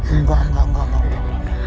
enggak enggak enggak